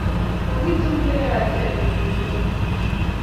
Kokitunkey acheket kenyit konye